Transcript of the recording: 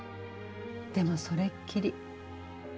でもそれっきり。